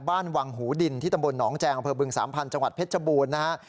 บ้านวังหูดินที่ตำบลหนองแจงอำเภอบึงสามพันธ์จังหวัดเพชรบูรณ์นะฮะ